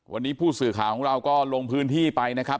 วันนี้ผู้สื่อข่าวของเราก็ลงพื้นที่ไปนะครับ